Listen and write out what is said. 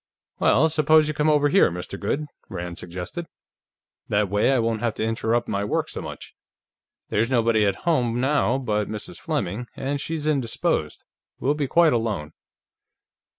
"Well, suppose you come over here, Mr. Goode," Rand suggested. "That way, I won't have to interrupt my work so much. There's nobody at home now but Mrs. Fleming, and as she's indisposed, we'll be quite alone."